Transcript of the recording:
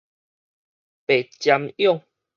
白針蛹